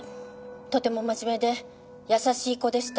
とても真面目で優しい子でした。